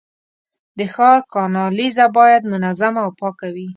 د ښار کانالیزه باید منظمه او پاکه وي.